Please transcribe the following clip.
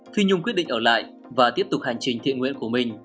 khi nhung quyết định ở lại và tiếp tục hành trình thiện nguyện của mình